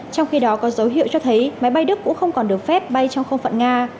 trong khi đó có dấu hiệu cho thấy máy bay đức cũng không còn được phép bay trong không phận nga